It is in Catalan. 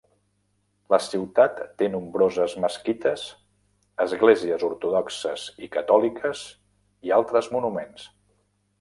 La ciutat té nombroses mesquites, esglésies ortodoxes i catòliques i altres monuments.